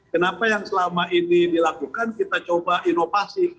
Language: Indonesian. kenapa yang selama ini dilakukan kita coba inovasi